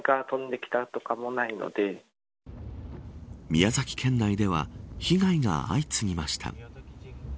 宮崎県内では被害が相次ぎました。